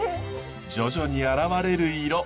徐々に現れる色。